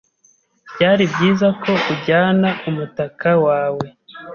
Byari byiza ko ujyana umutaka wawe.